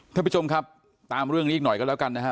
ท่านผู้ชมครับตามเรื่องนี้อีกหน่อยก็แล้วกันนะฮะ